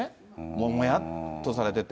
もやもやっとされてて。